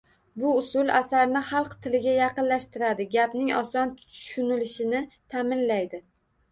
Bu usul asarni xalq tiliga yaqinlashtiradi, gapning oson tushunilishini ta’minlaydi.